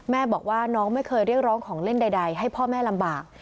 แม่บอกว่าน้องไม่เคยเรียกร้องของเล่นใดให้พ่อแม่ลำบาก